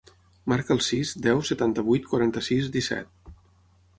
Marca el sis, deu, setanta-vuit, quaranta-sis, disset.